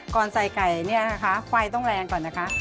ก่อนใส่ไก่เนี่ยนะคะไฟต้องแรงก่อนนะคะ